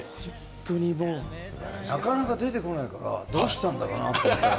なかなか出てこないからどうしたのかなと思って。